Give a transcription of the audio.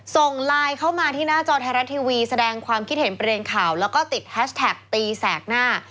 ส่งไลน์เข้ามาที่หน้าจอไทยรัฐทีวีแสดงความคิดเห็นประเด็นข่าวแล้วก็ติดแฮชแท็กตีแสกหน้า